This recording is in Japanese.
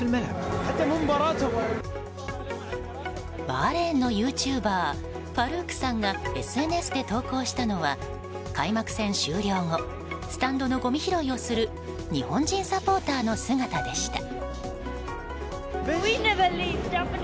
バーレーンのユーチューバーファルークさんがＳＮＳで投稿したのは開幕戦終了後スタンドのごみ拾いをする日本人サポーターの姿でした。